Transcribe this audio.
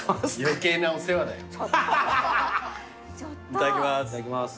いただきます。